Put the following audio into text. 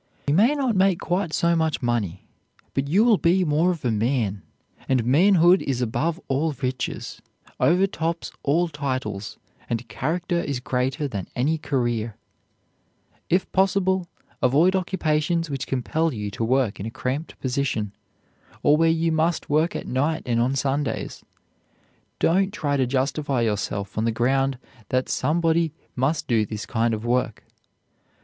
You may not make quite so much money, but you will be more of a man, and manhood is above all riches, overtops all titles, and character is greater than any career. If possible avoid occupations which compel you to work in a cramped position, or where you must work at night and on Sundays. Don't try to justify yourself on the ground that somebody must do this kind of work.